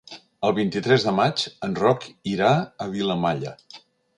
El vint-i-tres de maig en Roc irà a Vilamalla.